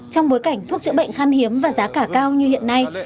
trong bối cảnh thuốc trợ bệnh khăn hiếm và giá cả cao như hiện nay